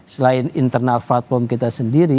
selain internal platform kita sendiri